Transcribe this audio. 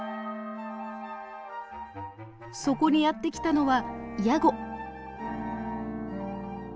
そこにやって来たのはヤゴ。